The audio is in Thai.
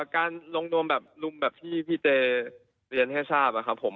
การลงนวมแบบลุมแบบที่พี่เตเรียนให้ทราบครับผม